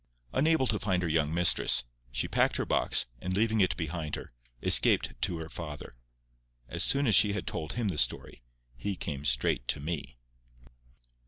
Unable to find her young mistress, she packed her box, and, leaving it behind her, escaped to her father. As soon as she had told him the story, he came straight to me.